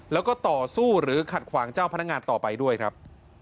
แล้วก็ต่อสู้หรือขัดขวางเจ้าพนักงานต่อไปด้วยครับ